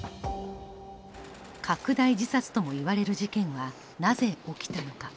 拡大自殺ともいわれる事件はなぜ起きたのか。